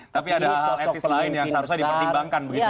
tapi ada hal hal etis lain yang seharusnya dipertimbangkan begitu ya